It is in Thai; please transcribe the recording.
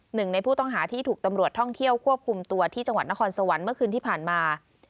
หนึ่งในผู้ต้องหาที่ถูกตำรวจท่องเที่ยวควบคุมตัวที่จังหวัดนครสวรรค์เมื่อคืนที่ผ่านมา